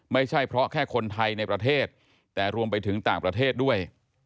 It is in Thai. ไม่ใช่เพราะแค่คนไทยในประเทศแต่รวมไปถึงต่างประเทศด้วย